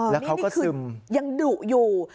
อ๋อนี่คือยังดุอยู่